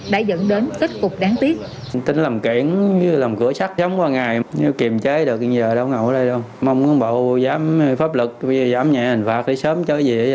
đã dẫn đến kết cục đáng tiếc